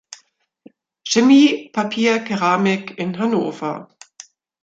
Chemie, Papier, Keramik in Hannover.